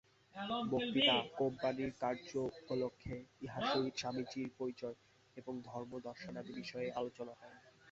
বক্তৃতা- কোম্পানীর কার্যোপলক্ষে ইঁহার সহিত স্বামীজীর পরিচয় এবং ধর্মদর্শনাদি বিষয়ে আলোচনা হয়।